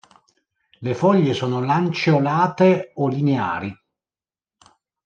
Le foglie sono lanceolate o lineari.